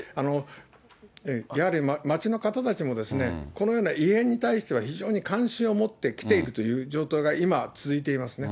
やはり町の方たちも、このような異変に対しては、非常に関心を持ってきているという状態が今、続いていますね。